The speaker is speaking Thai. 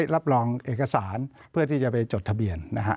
รับรองเอกสารเพื่อที่จะไปจดทะเบียนนะฮะ